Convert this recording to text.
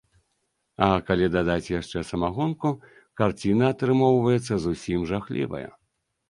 А калі дадаць яшчэ самагонку, карціна атрымоўваецца зусім жахлівая.